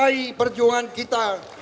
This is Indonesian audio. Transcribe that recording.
selalu menyertai perjuangan kita